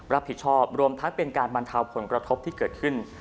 รับผิดชอบรวมทั้งเป็นการบรรเทาผลกระทบที่เกิดขึ้น